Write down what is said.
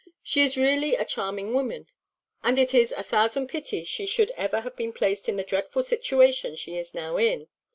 She is really a charming woman, and it is a thousand pities she should ever have been placed in the dreadful situation she is now in.